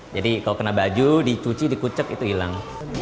jadi kalau kena baju dicuci dikucek itu hilang